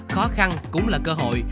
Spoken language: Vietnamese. khó khăn cũng là cơ hội